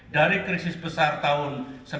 dari krisis besar tahun seribu sembilan ratus sembilan puluh